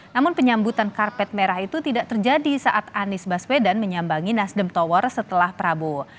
namun penyambutan karpet merah itu tidak terjadi saat anies baswedan menyambangi nasdem tower setelah prabowo